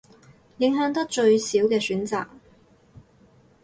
影響得最少嘅選擇